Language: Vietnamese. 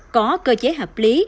có cơ chế hợp lý